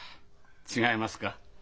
違いますか？